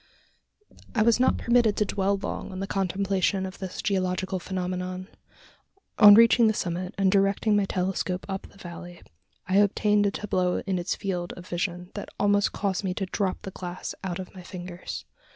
I was not permitted to dwell long on the contemplation of this geological phenomenon. On reaching the summit, and directing my telescope up the valley, I obtained a tableau in its field of vision that almost caused me to drop the glass out of my fingers!